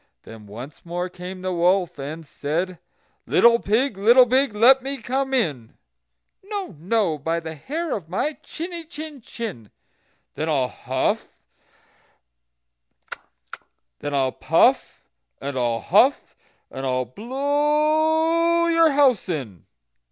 Then once more came the wolf, and said: "Little pig, little pig, let me come in." "No, no, by the hair of my chiny chin chin." "Then I'll puff, and I'll huff, and I'll blow your house in."